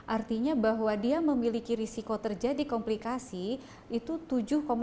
artinya bahwa dia memiliki risiko terjadi komplikasi itu tujuh lima